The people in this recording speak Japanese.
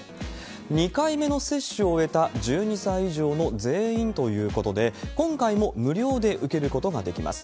２回目の接種を終えた１２歳以上の全員ということで、今回も無料で受けることができます。